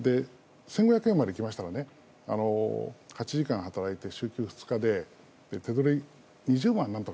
１５００円まで来ましたから８時間働いて週休２日で何とか手取り２０万。